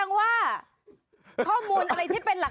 ตาผมไหล